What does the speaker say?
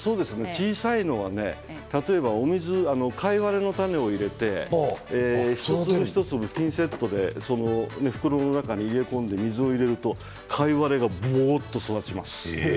小さいのは貝割れの種を入れて一粒一粒ピンセットで袋の中に入れ込んで水を入れると貝割れは、ぼっと育ちます。